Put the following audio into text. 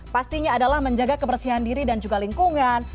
pastinya adalah menjaga kebersihan diri dan juga lingkungan